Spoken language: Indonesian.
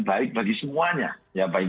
baik bagi semuanya ya baik